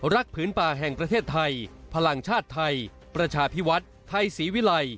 รักผืนป่าแห่งประเทศไทยพลังชาติไทยประชาพิวัติพลังประชาศิวิลัย